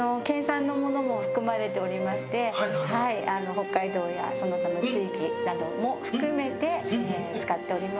北海道やその他の地域なども含めて使っております。